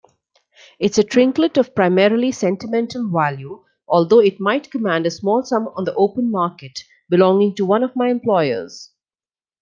It's a trinket of primarily sentimental value, although it might command a small sum on the open market, belonging to one of my employers.